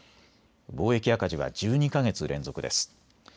貿易赤字は１２か月連続です。